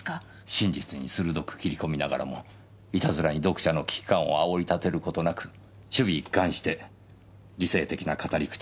真実に鋭く切り込みながらもいたずらに読者の危機感を煽り立てる事なく首尾一貫して理性的な語り口が保たれています。